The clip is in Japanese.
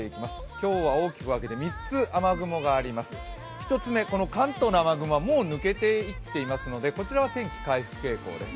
今日は大きく分けて３つ雨雲があります、１つ目、関東の雨雲はもう抜けていっていますので、こちらは天気回復傾向です。